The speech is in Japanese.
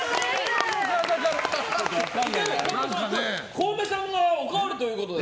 コウメさんがおかわりということで。